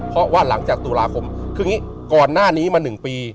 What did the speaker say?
เพราะว่าหลังจากตุลาคมคืออย่างนี้ก่อนหน้านี้มา๑ปี